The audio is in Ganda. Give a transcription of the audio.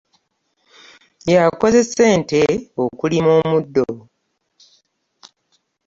Yakozesa ente okulima omuddo.